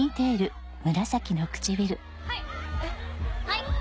はい。